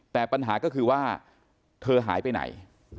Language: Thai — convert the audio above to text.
แต่ปัญหาก็คือว่าเธอหายไปไหน